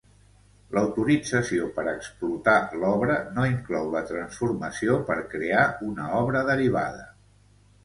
L'autorització per explotar l'obra no inclou la transformació per crear una obra derivada.